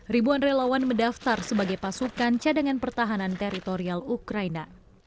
ribuan relawan mendaftar sebagai pasukan cadangan pertahanan teritorial ukraina